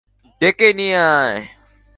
ডেকে নিয়ে আয়।